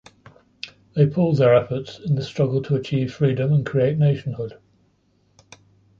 They pooled their efforts in the struggle to achieve freedom and create nationhood.